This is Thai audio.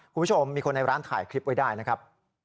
คุณผู้ชมมีคนในร้านถ่ายคลิปไว้ได้นะครับ